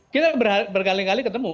kita berkali kali ketemu